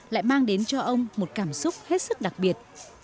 lại mang đến cho ông một cảm xúc hết sức đặc biệt